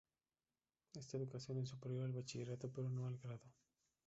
Esta educación es superior al Bachillerato pero no al Grado.